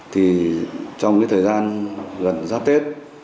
thì trong cái thời gian gần ra tết